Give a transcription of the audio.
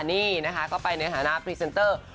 นี่นะคะก็ไปในฐานะพรีเซนเตอร์